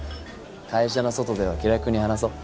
会社の外では気楽に話そう。